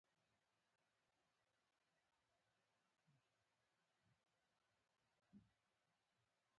او توهین یې راته وکړ.